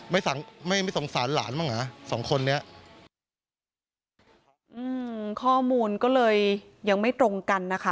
ไม่สั่งไม่ไม่สงสารหลานบ้างอ่ะสองคนเนี้ยอืมข้อมูลก็เลยยังไม่ตรงกันนะคะ